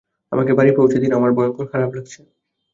আমাকে বাড়ি পৌঁছে দিন, আমার ভয়ংকর খারাপ লাগছে।